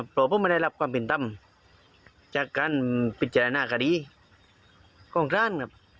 เพราะผมไม่ได้รับความผิดตัดภัยกองทาล